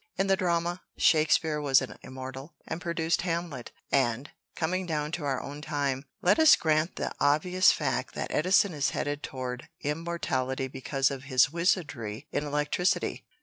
In the drama, Shakespeare was an Immortal, and produced 'Hamlet', and, coming down to our own time, let us grant the obvious fact that Edison is headed toward immortality because of his wizardry in electricity."